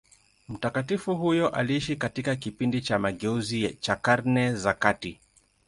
Mtakatifu huyo aliishi katika kipindi cha mageuzi cha Karne za kati.